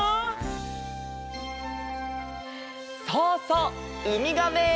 そうそうウミガメ！